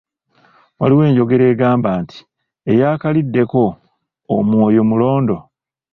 Waliwo enjogera egamba nti, "Eyaakaliddeko omwoyo mulondo".